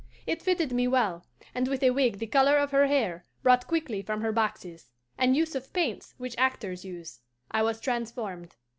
It fitted me well, and with a wig the colour of her hair, brought quickly from her boxes, and use of paints which actors use, I was transformed.